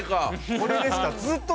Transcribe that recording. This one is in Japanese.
これでした。